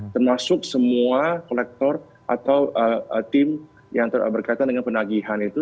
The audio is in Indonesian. termasuk semua kolektor atau tim yang berkaitan dengan penagihan itu